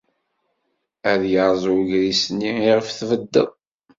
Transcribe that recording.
Ad yerreẓ ugris-nni iɣef tbeddeḍ.